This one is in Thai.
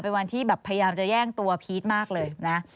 เป็นวันที่แบบพยายามจะแย่งตัวพีชมากเลยนะ